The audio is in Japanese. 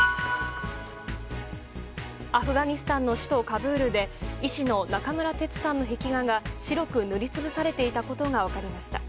アフガニスタンの首都カブールで医師の中村哲さんの壁画が白く塗り潰されていたことが分かりました。